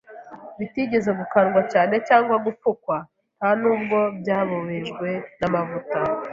bitigeze gukandwa cyangwa cyangwa gupfukwa, nta n’ubwo byabobejwe n’amavuta”